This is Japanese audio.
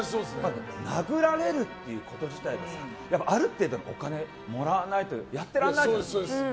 殴られるってこと自体がある程度お金をもらわないとやってられないじゃん。